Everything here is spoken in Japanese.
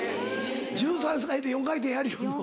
１３歳で４回転やりよるの。